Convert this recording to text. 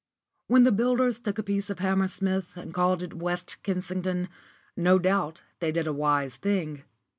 *_ When the builders took a piece of Hammersmith and called it West Kensington, no doubt they did a wise thing.